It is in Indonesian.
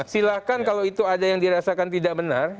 silahkan kalau itu ada yang dirasakan tidak benar